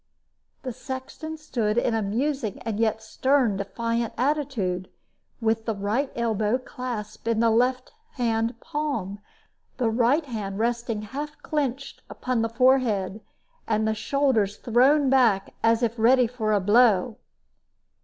The sexton stood in a musing and yet a stern and defiant attitude, with the right elbow clasped in the left hand palm, the right hand resting half clinched upon the forehead, and the shoulders thrown back, as if ready for a blow.